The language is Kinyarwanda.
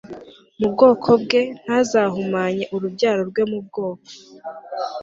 mu bwoko bwe ntazahumanye urubyaro rwe mu bwoko